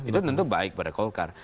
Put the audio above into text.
itu tentu baik pada golkar